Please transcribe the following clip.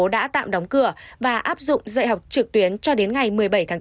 đã tạm đóng cửa và áp dụng dạy học trực tuyến cho đến ngày một mươi bảy tháng bốn